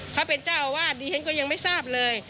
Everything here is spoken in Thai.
เขาเป็นเจ้าอาวาสดีฉันก็ยังไม่ทราบเลย